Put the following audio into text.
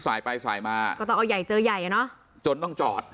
สายไปสายมาก็ต้องเอาใหญ่เจอใหญ่อ่ะเนอะจนต้องจอด